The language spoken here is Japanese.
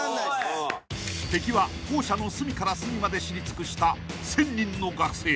［敵は校舎の隅から隅まで知り尽くした１，０００人の学生］